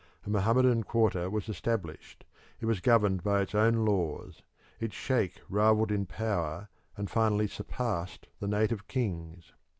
A Mohammedan quarter was established; it was governed by its own laws; its sheikh rivalled in power and finally surpassed the native kings.